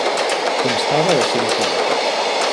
Constava de cinc plantes.